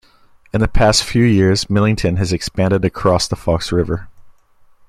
In the past few years, Millington has expanded across the Fox River.